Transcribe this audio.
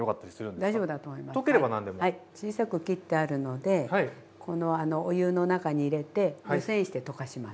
小さく切ってあるのでこのお湯の中に入れて湯煎して溶かします。